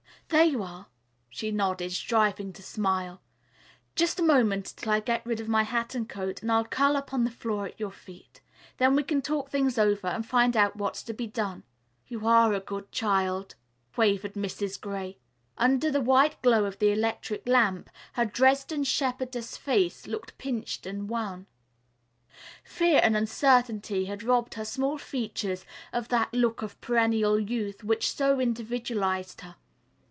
"There you are!" she nodded, striving to smile. "Just a moment until I get rid of my hat and coat and I'll curl up on the floor at your feet. Then we can talk things over and find out what's to be done." "You are a dear good child," quavered Mrs. Gray. Under the white glow of the electric lamp, her Dresden shepherdess face looked pinched and wan. Fear and uncertainty had robbed her small features of that look of perennial youth which so individualized her.